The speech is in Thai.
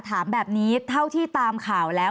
ถามแบบนี้เท่าที่ตามข่าวแล้ว